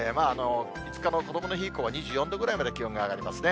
５日のこどもの日以降は、２４度ぐらいまで気温が上がりますね。